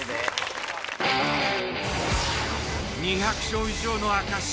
２００勝以上の証し